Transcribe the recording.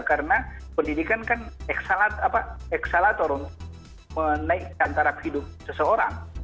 karena pendidikan kan eksalator menaikkan tarak hidup seseorang